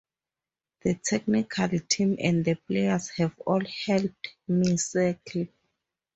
The technical team and the players have all helped me settle.